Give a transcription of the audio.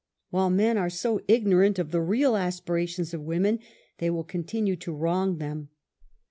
While men are so ignorant of the real aspirations of women they will continue to wrong them.